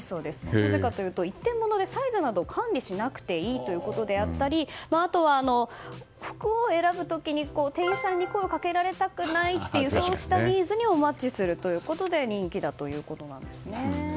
なぜかというと１点ものでサイズを管理しなくていいということだったりあとは服を選ぶ時に店員さんに声をかけられたくないというニーズにもマッチするということで人気だということなんですね。